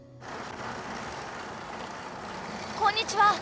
こんにちは。